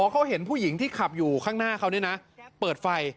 เขาเห็นผู้หญิงที่ขับอยู่ข้างหน้าเขาเนี่ยนะเปิดไฟ